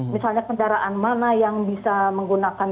misalnya kendaraan mana yang bisa menggunakan